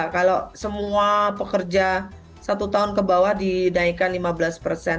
kalau semua pekerja satu tahun ke bawah dinaikkan lima belas persen